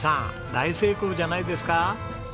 大成功じゃないですか。